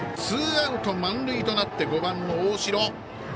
ツーアウト満塁となって５番の大城。